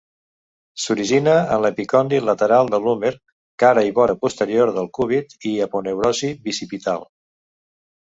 S'origina en l'epicòndil lateral de l'húmer, cara i vora posterior del cúbit i aponeurosis bicipital.